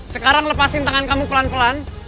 sekarang lepasin tangan kamu pelan pelan